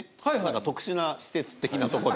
特殊な施設的なとこで。